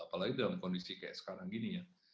apalagi dalam kondisi kayak sekarang gini ya